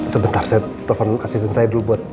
sebentar saya telepon asisten saya dulu buat